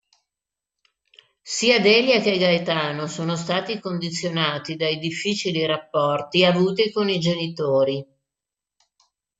Sia Delia che Gaetano sono stati condizionati dai difficili rapporti avuti con i genitori.